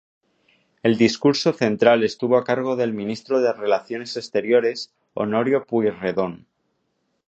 El discurso central estuvo a cargo del ministro de Relaciones Exteriores Honorio Pueyrredón.